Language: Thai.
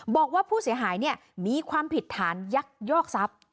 บอกว่าผู้เสียหายเนี่ยมีความผิดฐานยักยอกทรัพย์